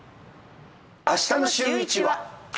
あしたのシューイチは。